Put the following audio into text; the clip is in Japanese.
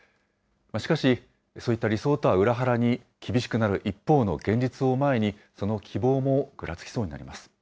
しかし、そういった理想とは裏腹に、厳しくなる一方の現実を前に、その希望もぐらつきそうになります。